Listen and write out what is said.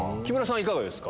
いかがですか？